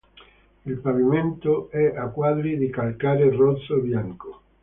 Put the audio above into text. Il pavimento è a quadri di calcare rosso e bianco.